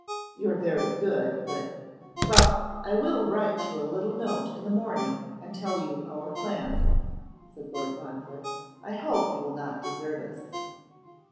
'You are very good, but ' 'Well! I will write you a little note in the morning and tell you our plans,' said Lord Montfort. 'I hope you will not desert us.